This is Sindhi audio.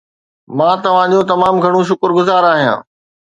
مان توهان جو تمام گهڻو شڪرگذار آهيان